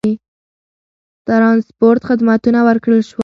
ترانسپورت خدمتونه ورکړل شول.